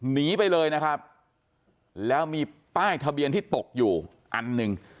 หนีไปเลยนะครับแล้วมีป้ายทะเบียนที่ตกอยู่อันหนึ่ง